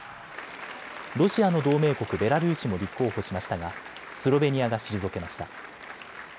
ロシアの同盟国ベラルーシも立候補しましたがスロベニアが退けました。